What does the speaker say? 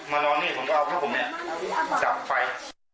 มานอนนี่ผมก็เอาเพราะผมเนี่ยจับไฟ